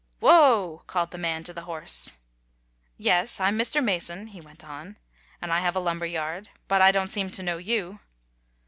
"Whoa!" called the man to his horse. "Yes, I'm Mr. Mason," he went on, "and I have a lumber yard. But I don't seem to know you."